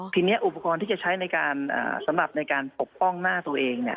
ทีนี้อุปกรณ์ที่จะใช้ในการสำหรับในการปกป้องหน้าตัวเอง